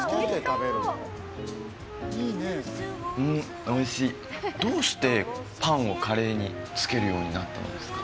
うんおいしいどうしてパンをカレーにつけるようになったんですか？